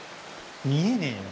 見えねえよ